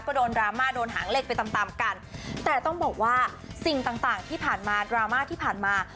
ก็โดนดราม่าโดนหางเลขไปตามตามกันแต่ต้องบอกว่าสิ่งต่างต่างที่ผ่านมาดราม่าที่ผ่านมา